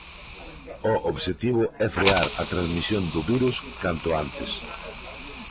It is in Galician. O obxectivo é frear a transmisión do virus canto antes.